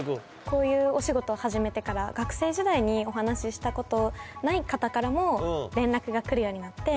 こういうお仕事を始めてから学生時代にお話ししたことない方からも連絡が来るようになって。